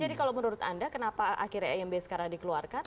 jadi kalau menurut anda kenapa akhirnya imb sekarang dikeluarkan